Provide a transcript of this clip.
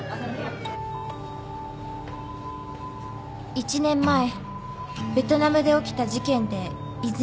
１年前ベトナムで起きた事件で泉と再会した。